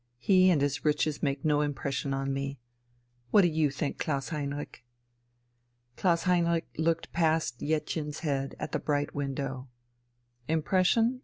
He and his riches make no impression on me. What do you think, Klaus Heinrich?" Klaus Heinrich looked past Jettchen's head at the bright window. "Impression?"